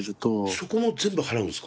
そこも全部払うんですか？